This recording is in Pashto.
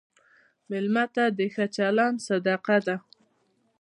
مېلمه ته ښه چلند صدقه ده.